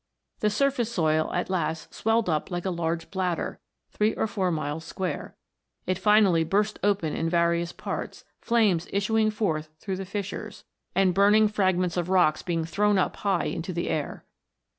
The surface soil at last swelled up like a large bladder, three or four miles square ; it finally burst open in various parts, flames issuing forth through the fissures, and burning frag ments of rocks being thrown up high into the air.